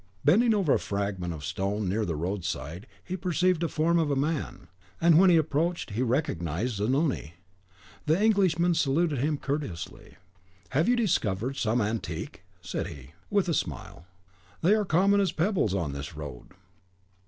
Bending over a fragment of stone near the roadside, he perceived the form of a man; and when he approached, he recognised Zanoni. The Englishman saluted him courteously. "Have you discovered some antique?" said he, with a smile; "they are common as pebbles on this road."